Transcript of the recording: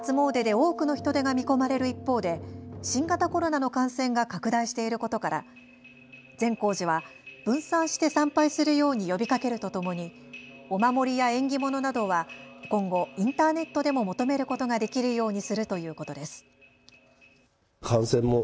多くの人出が見込まれる一方で新型コロナの感染が拡大していることから善光寺は分散して参拝するように呼びかけるとともにお守りや縁起物などは今後、インターネットでも求めることができるようにするということです。